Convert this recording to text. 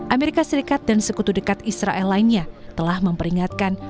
amerika serikat dan sekutu dekat israel lainnya telah memperingatkan